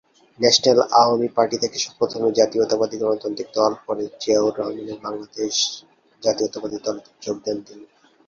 National Awami party থেকে প্রথমে জাতীয়তাবাদী গণতান্ত্রিক দল পরে জিয়াউর রহমানের বাংলাদেশ জাতীয়তাবাদী দলে যোগ দেন তিনি।